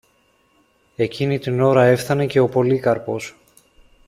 Εκείνη την ώρα έφθανε και ο Πολύκαρπος.